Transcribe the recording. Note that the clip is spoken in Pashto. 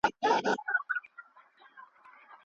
چي هوښیار یې